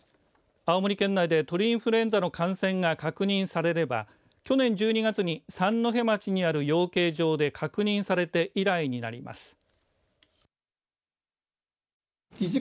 青森県内で鳥インフルエンザの感染が確認されれば去年１２月に三戸町にある養鶏場で確認されて以来になります。